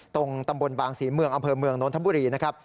ตรงตำบลบางศรีเมืองอำเภอเมืองนนทบุรีนะครับ